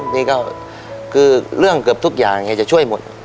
นี่ก็คือเรื่องเกือบทุกอย่างแกจะช่วยหมด